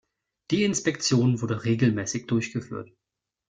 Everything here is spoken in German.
Die Inspektion wurde regelmäßig durchgeführt.